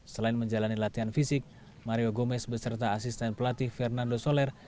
selain menjalani latihan fisik mario gomez beserta asisten pelatih fernando soler